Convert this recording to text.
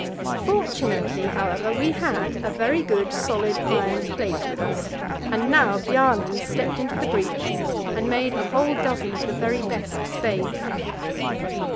Fortunately, however, we had a very good, solid iron plate with us, and now Bjaaland stepped into the breach, and made a whole dozen of the very best spades.